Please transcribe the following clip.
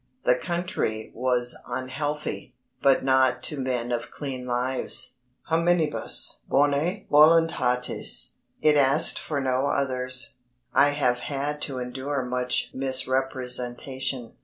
The country was unhealthy, but not to men of clean lives hominibus bonæ voluntatis. It asked for no others. "I have had to endure much misrepresentation.